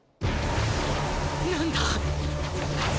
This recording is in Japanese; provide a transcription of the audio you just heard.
何だ！？